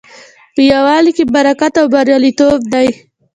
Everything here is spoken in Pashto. په یووالي کې برکت او بریالیتوب دی.